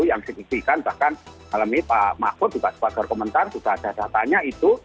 yang signifikan bahkan alami pak mahfud juga sebagai komentar sudah ada datanya itu